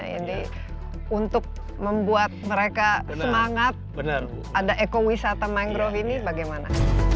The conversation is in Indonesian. jadi untuk membuat mereka semangat ada eko wisata mangrove ini bagaimana